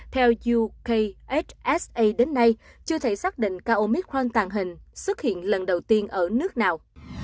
theo ukhsa đến nay chưa thể xác định ca omicron tàng hình xuất hiện lần đầu tiên ở nước nào